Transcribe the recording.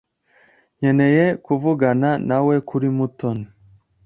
Nkeneye kuvugana nawe kuri Mutoni.